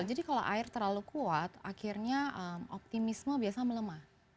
jadi kalau air terlalu kuat akhirnya optimisme biasa melemah